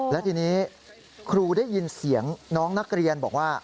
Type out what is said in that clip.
แล้วทีนี้ครูได้ยินเสียงน้องนักเรียนบอกว่า